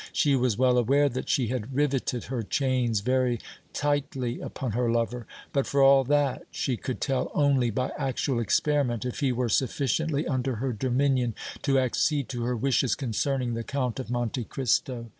She was well aware that she had riveted her chains very tightly upon her lover, but, for all that, she could tell only by actual experiment if he were sufficiently under her dominion to accede to her wishes concerning the Count of Monte Cristo.